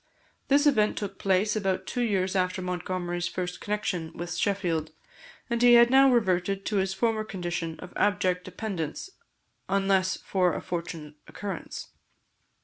This event took place about two years after Montgomery's first connexion with Sheffield, and he had now reverted to his former condition of abject dependence unless for a fortunate occurrence.